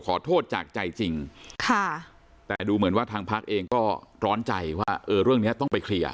ขอโทษจากใจจริงค่ะแต่ดูเหมือนว่าทางพักเองก็ร้อนใจว่าเออเรื่องนี้ต้องไปเคลียร์